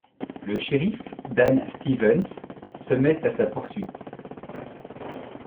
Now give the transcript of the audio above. Le shérif Dan Stevens se met à sa poursuite.